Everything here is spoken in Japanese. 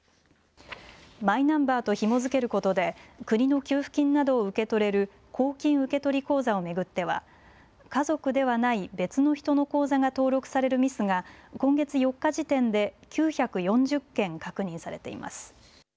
マイナンバーとひも付けることで国の給付金などを受け取れる公金受取口座を巡っては家族ではない別の人の口座が登録されるミスが今月４日時点で９４０件確認されています。